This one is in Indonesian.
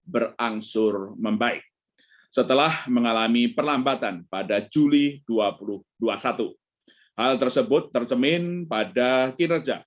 berangsur membaik setelah mengalami perlambatan pada juli dua ribu dua puluh satu hal tersebut tercemin pada kinerja